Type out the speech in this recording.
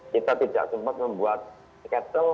kita tidak sempat membuat skel